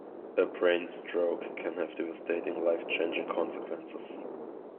A brain stroke can have devastating life changing consequences.